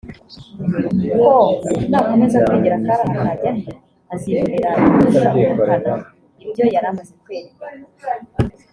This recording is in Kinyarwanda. ko nakomeza kwigira akari aha kajya he azibonera ibirusha ubukana ibyo yari amaze kwerekwa